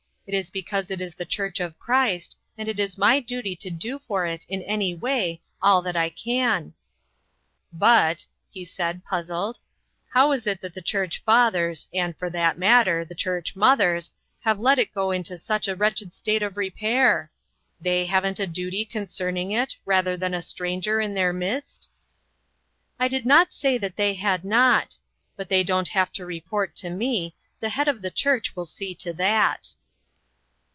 It is because it is the church of Christ, and it is my duty to do for it in every way all that I can." " But," he said, puzzled, " how is it that the church fathers, and, for that matter, the church mothers, have let it get into such a wretched state of repair ? Why haven't they a duty concerning it, rather than a stranger in their midst?" " I did not say that they had not ; but they don't have to report to me ; the Head of the Church will see to that."